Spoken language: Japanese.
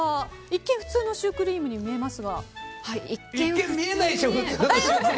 一見普通のシュークリームに見えないでしょ！